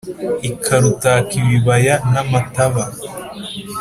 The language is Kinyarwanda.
ikarutaka ibibaya n’amataba